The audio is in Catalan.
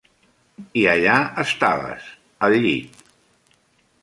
I allà estaves, al llit.